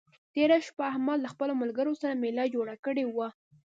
تېره شپه احمد له خپلو ملګرو سره مېله جوړه کړې وه.